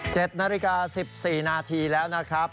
เจ็ดนาฬิกา๑๔นาทีแล้วนะครับ